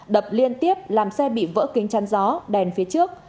đập liên tiếp làm xe bị vỡ kính chăn gió đèn phía trước